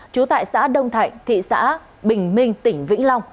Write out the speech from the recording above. trú tại xã đông thạnh thị xã bình minh tỉnh vĩnh long